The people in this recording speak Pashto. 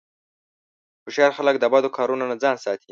هوښیار خلک د بدو کارونو نه ځان ساتي.